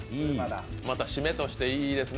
また締めとしていいですね